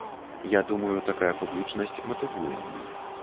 Я думаю, такая публічнасць матывуе.